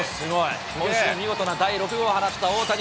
今週見事な第６号を放った大谷。